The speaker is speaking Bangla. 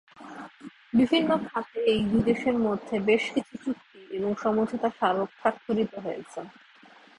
বিভিন্ন খাতে এই দুই দেশের মধ্যে বেশ কিছু চুক্তি এবং সমঝোতা স্মারক সাক্ষরিত হয়েছে।